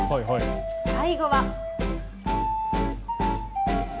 最後は。